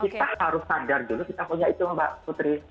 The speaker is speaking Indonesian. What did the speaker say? kita harus sadar dulu kita punya itu mbak putri